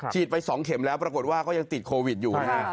ไป๒เข็มแล้วปรากฏว่าก็ยังติดโควิดอยู่นะฮะ